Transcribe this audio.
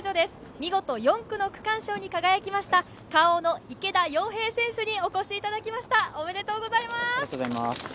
見事４区の区間賞に輝きましたＫａｏの池田耀平選手にお越しいただきました、おめでとうございます。